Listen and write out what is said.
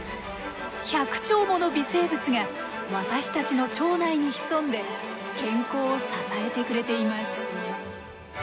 １００兆もの微生物が私たちの腸内に潜んで健康を支えてくれています。